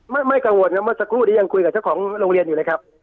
ไม่ไม่กังวลนะเมื่อสักครู่นี้ยังคุยกับเจ้าของโรงเรียนอยู่เลยครับ